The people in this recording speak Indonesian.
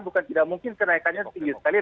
bukan tidak mungkin kenaikannya tinggi sekali